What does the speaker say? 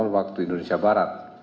waktu indonesia barat